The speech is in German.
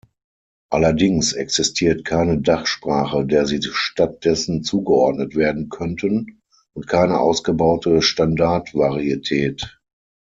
Allerdings existiert keine Dachsprache, der sie stattdessen zugeordnet werden könnten und keine ausgebaute Standardvarietät.